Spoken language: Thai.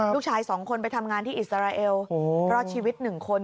ลูกชาย๒คนไปทำงานที่อิสราเอลรอดชีวิต๑คน